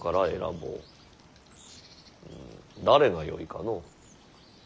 ん誰がよいかのう。